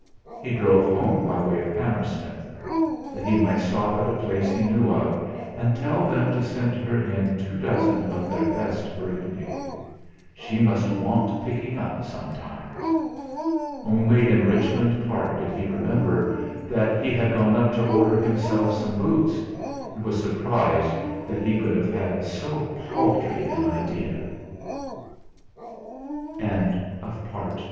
He drove home by way of Hammersmith; that he might stop at a place he knew of and tell them to send her in two dozen of their best Burgundy. She must want picking up sometimes! Only in Richmond Park did he remember that he had gone up to order himself some boots, and was surprised that he could have had so paltry an idea. III The little spirits of the